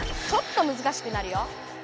ちょっとむずかしくなるよ。